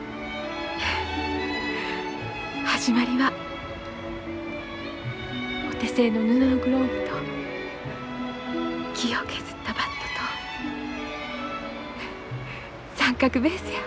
始まりはお手製の布のグローブと木を削ったバットと三角ベースや。